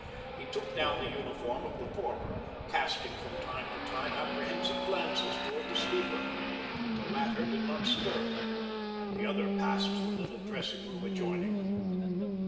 He took down the uniform of the former, casting from time to time apprehensive glances toward the sleeper. The latter did not stir, and the other passed to the little dressing room adjoining.